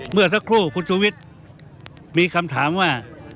เมื่อสักครู่คุณชูวิทย์มีคำถามว่า